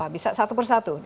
bisa satu persatu